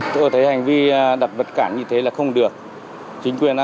tôi thấy hành vi đặt vật cản như thế là không được